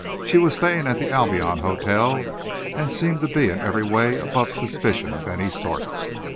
She was staying at the Albion Hotel, and seemed to be in every way above suspicion of any sort.